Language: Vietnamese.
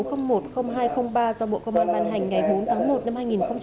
do bộ công an ban hành ngày bốn tháng một năm hai nghìn một mươi năm